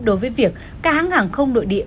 đối với việc các hãng hàng không nội địa